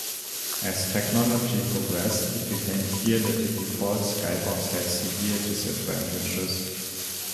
As technology progressed, it became clear that the default skybox had severe disadvantages.